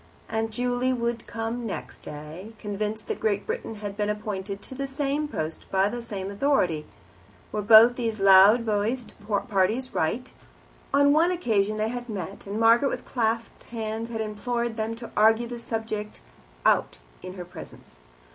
Aunt Juley would come the next day, convinced that Great Britain had been appointed to the same post by the same authority. Were both these loud voiced parties right? On one occasion they had met, and Margaret with clasped hands had implored them to argue the subject out in her presence.